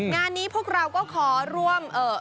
งานนี้พวกเราก็ขอร่วม